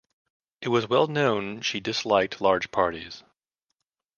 It was well known she disliked large parties.